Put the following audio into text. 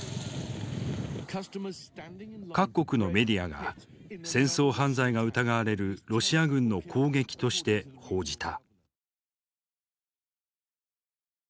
各国のメディアが戦争犯罪が疑われるロシア軍の攻撃として報じた。